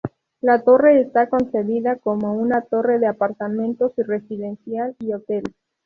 La torre está concebida como una torre de apartamentos residencial y hotel.